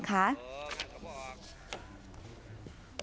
เออเขาบอก